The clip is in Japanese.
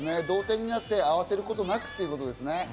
同点になって、慌てることなくということですね。